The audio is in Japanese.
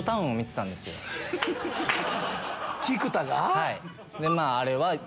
はい。